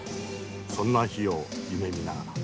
そんな日を夢みながら。